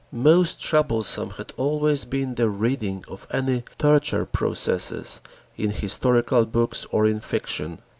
Most troublesome had always been the reading of any torture processes in historical books or in fiction.